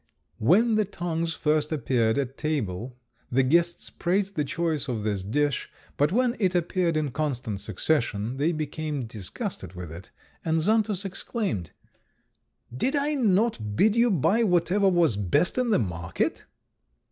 When the tongues first appeared at table, the guests praised the choice of this dish, but when it appeared in constant succession, they became disgusted with it; and Xantus exclaimed, "Did I not bid you buy whatever was best in the market?"